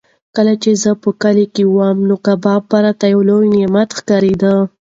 کله چې زه په کلي کې وم نو کباب راته یو لوی نعمت ښکارېده.